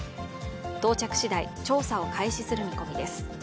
到着しだい調査を開始する見込みです。